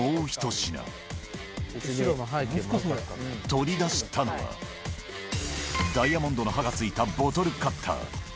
取り出したのは、ダイヤモンドの刃が付いたボトルカッター。